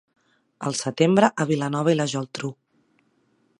el setembre a Vilanova i la Geltrú